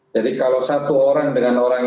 jadi kalau satu orang dengan orang lain